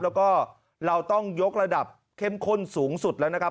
แล้วก็เราต้องยกระดับเข้มข้นสูงสุดแล้วนะครับ